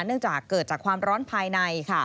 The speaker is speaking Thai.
เนื่องจากเกิดจากความร้อนภายใน